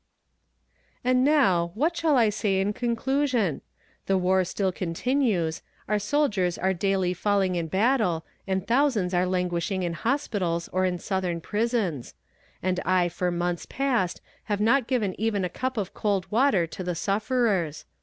And now, what shall I say in conclusion? The war still continues our soldiers are daily falling in battle, and thousands are languishing in hospitals or in Southern prisons; and I for months past have not given even a cup of cold water to the sufferers.